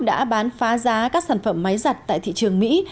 đã bán phá giá các sản phẩm máy giặt tại thị trường mỹ